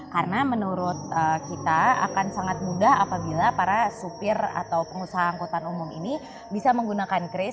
karena menurut kita akan sangat mudah apabila para supir atau pengusaha angkutan umum ini bisa menggunakan kris